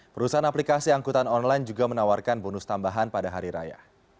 perusahaan aplikasi angkutan online juga menawarkan bonus tambahan pada hari raya